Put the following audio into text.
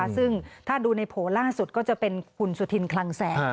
ซึ่งถ้าดูในโผล่ล่าสุดก็จะเป็นคุณสุธินคลังแสง